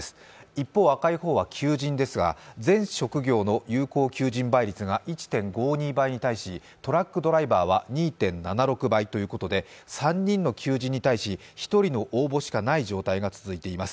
一方、赤い方は求人ですが、全職業の求人倍率は１．５２倍に対し、トラックドライバーは２．７６倍ということで３人の求人に対し１人の応募しかない状況が続いています。